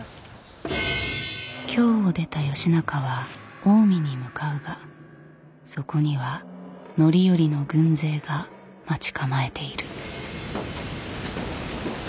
京を出た義仲は近江に向かうがそこには範頼の軍勢が待ち構えている。